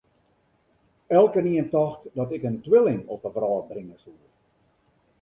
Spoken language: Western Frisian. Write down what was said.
Elkenien tocht dat ik in twilling op 'e wrâld bringe soe.